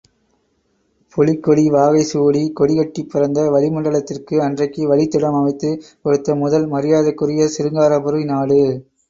புலிக்கொடி வாகை சூடிக் கொடிகட்டி பறந்த சோழமண்டலத்திற்கு, அன்றைக்கு வழித்தடம் அமைத்துக் கொடுத்த முதல் மரியாதைக்குரியது சிருங்காரபுரி நாடு!..